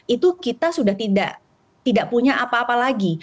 itu kita sudah tidak punya apa apa lagi